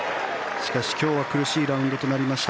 しかし、今日は苦しいラウンドとなりました。